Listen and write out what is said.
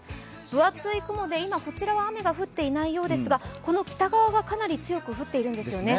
分厚い雲で、こちらは雨が降っていないようですがこの北側がかなり強く降ってるんですよね。